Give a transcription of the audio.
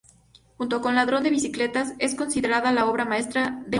Junto con "Ladrón de bicicletas", es considerada la obra maestra del neorrealismo italiano.